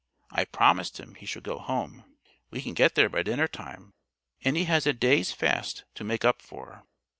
I promised him he should go home. We can get there by dinner time, and he has a day's fast to make up for."